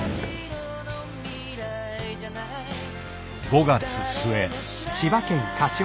５月末。